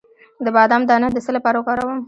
د بادام دانه د څه لپاره وکاروم؟